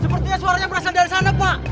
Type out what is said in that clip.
sepertinya suaranya berasal dari sana pak